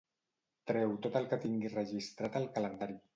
Treu tot el que tingui registrat al calendari.